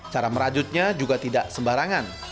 cara merajutnya juga tidak sembarangan